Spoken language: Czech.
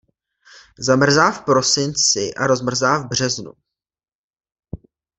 Zamrzá v prosinci a rozmrzá v březnu.